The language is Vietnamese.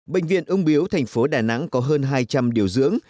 bệnh viện ung biếu thành phố đà nẵng có hơn hai trăm linh điều dưỡng